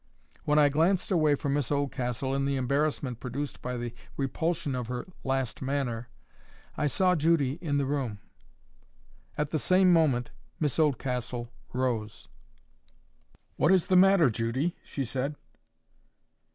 When I glanced away from Miss Oldcastle in the embarrassment produced by the repulsion of her last manner, I saw Judy in the room. At the same moment Miss Oldcastle rose. "What is the matter, Judy?" she said.